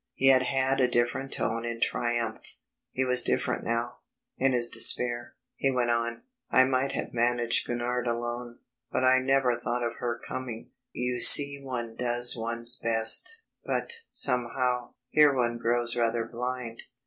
He had had a different tone in triumph; he was different now, in his despair. He went on: "I might have managed Gurnard alone, but I never thought of her coming. You see one does one's best, but, somehow, here one grows rather blind.